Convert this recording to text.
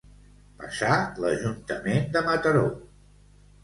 Passar l'Ajuntament de Mataró.